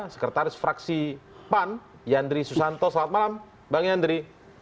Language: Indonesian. sekretaris fraksi pan yandri susanto selamat malam bang yandri